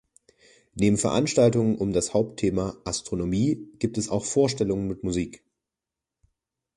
Neben Veranstaltungen um das Hauptthema „Astronomie“ gibt es auch Vorstellungen mit Musik.